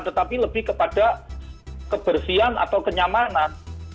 tetapi lebih kepada kebersihan atau kenyamanan